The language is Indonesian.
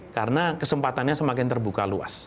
karena kesempatannya semakin terbuka luas